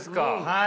はい。